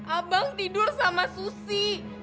abang tidur sama susi